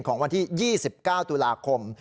ของวันที่๒๙ตุลาคม